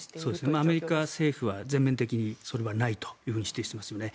アメリカ政府は全面的にそれはないと否定してますよね。